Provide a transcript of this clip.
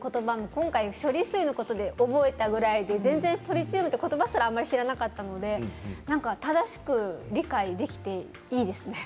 今回の処理水のことで覚えたぐらい全然トリチウムという言葉すら知らなかったので正しく理解できていいですね。